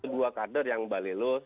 dua kader yang balelos